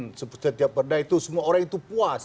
itu kan tidak mungkin setiap perda itu semua orang itu puas